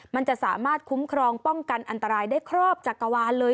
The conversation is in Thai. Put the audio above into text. มันจะสามารถคุ้มครองป้องกันอันตรายได้ครอบจักรวาลเลย